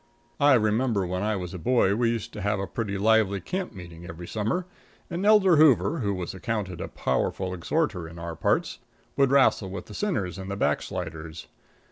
I remember when I was a boy, we used to have a pretty lively camp meeting every summer, and Elder Hoover, who was accounted a powerful exhorter in our parts, would wrastle with the sinners and the backsliders.